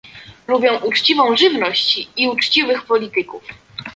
Lubią uczciwą żywność i uczciwych polityków